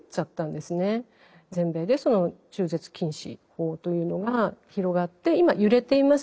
全米で中絶禁止法というのが広がって今揺れています。